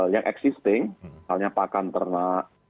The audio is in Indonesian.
yang existing misalnya pakan ternak